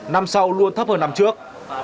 năm sau luôn thấp hơn năm trước